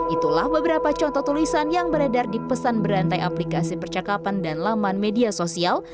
itulah beberapa contoh tulisan yang beredar di pesan berantai aplikasi percakapan dan laman media sosial